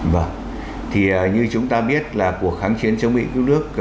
vâng thì như chúng ta biết là cuộc kháng chiến chống mỹ cứu nước